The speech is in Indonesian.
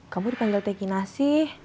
kamu dipanggil teh kinasi